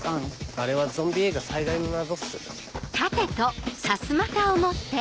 あれはゾンビ映画最大の謎っす。